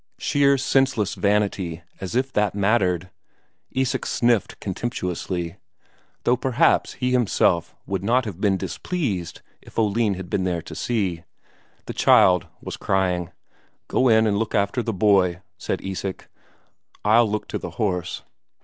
Sheer senseless vanity as if that mattered! Isak sniffed contemptuously. Though perhaps he himself would not have been displeased if Oline had been there to see. The child was crying. "Go in and look after the boy," said Isak. "I'll look to the horse."